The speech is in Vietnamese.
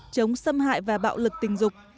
chống xâm hại và bạo lực tình dục